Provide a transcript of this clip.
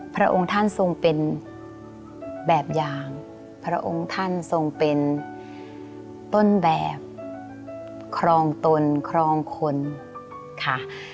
พระองค์ท่านทรงเป็นแบบอย่างพระองค์ท่านทรงเป็นต้นแบบครองตนครองคนค่ะ